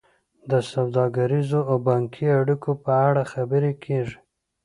د سوداګریزو او بانکي اړیکو په اړه خبرې کیږي